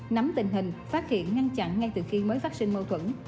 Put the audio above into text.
nắm tình hình phát hiện ngăn chặn ngay từ khi mới phát sinh mâu thuẫn